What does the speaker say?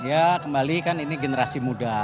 ya kembali kan ini generasi muda